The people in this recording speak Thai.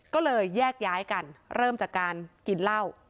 ก็เลยแยกย้ายกันเริ่มจากการกินเหล้า